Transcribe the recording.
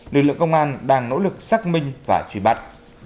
lực lượng công an đang nỗ lực xác minh và truy bắt